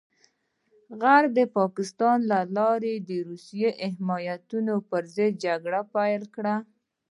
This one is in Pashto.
غرب د پاکستان له لارې د روسي حماقتونو پرضد جګړه پيل کړه.